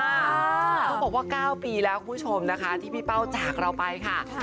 เขาบอกว่า๙ปีแล้วคุณผู้ชมนะคะที่พี่เป้าจากเราไปค่ะ